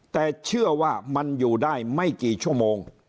แต่เชื่อว่ามันอยู่ได้ไม่กี่ชั่วโมง